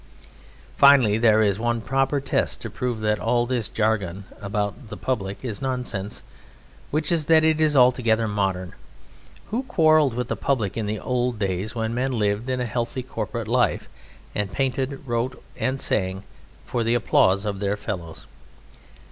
Finally, there is one proper test to prove that all this jargon about "The Public" is nonsense, which is that it is altogether modern. Who quarrelled with the Public in the old days when men lived a healthy corporate life, and painted, wrote, or sang for the applause of their fellows?